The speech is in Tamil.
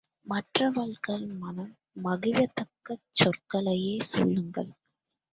மற்றவர் மனம் மகிழத்தக்க சொற்களையே சொல்லுங்கள்!